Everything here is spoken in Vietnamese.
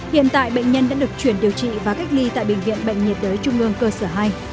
hiện tại bệnh nhân đã được chuyển điều trị và cách ly tại bệnh viện bệnh nhiệt đới trung ương cơ sở hai